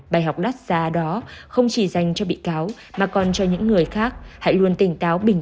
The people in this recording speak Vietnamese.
bài học đắt giá đó không chỉ dành cho bị cáo mà còn cho những người khác hãy luôn tỉnh táo bình